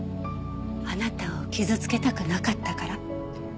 あなたを傷つけたくなかったから。